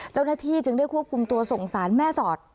เจ้าหน้าที่จึงได้ควบคุมตัวส่งสารแม่สอด